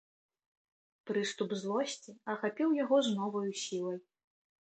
Прыступ злосці ахапіў яго з новаю сілай.